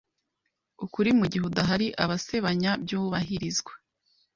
ukuri Mugihe udahari abasebanya byubahirizwa